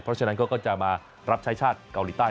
เพราะฉะนั้นเขาก็จะมารับใช้ชาติเกาหลีใต้